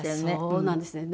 そうなんですね。